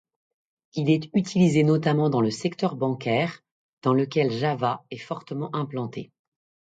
Il est utilisé notamment dans le secteur bancaire, dans lequel Java est fortement implanté.